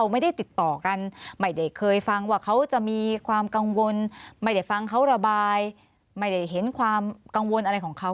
ไม่ได้ฟังเขาระบายไม่ได้เห็นความกังวลอะไรของเขา